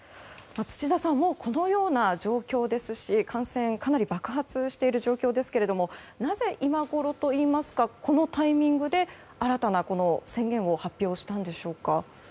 土田さん、このような状況ですし感染が、かなり爆発している状況ですがなぜ今ごろといいますかこのタイミングで新たな宣言を発表したんでしょうか。